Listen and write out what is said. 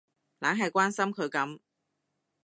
懶係關心佢噉